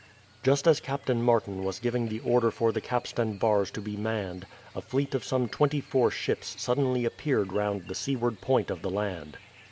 Just as Captain Martin was giving the order for the capstan bars to be manned, a fleet of some twenty four ships suddenly appeared round the seaward point of the land.